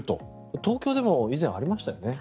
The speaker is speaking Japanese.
東京でも以前ありましたよね。